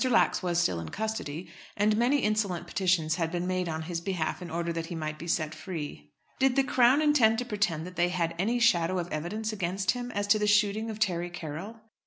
Lax was still in custody, and many insolent petitions had been made on his behalf in order that he might be set free. "Did the Crown intend to pretend that they had any shadow of evidence against him as to the shooting of Terry Carroll?"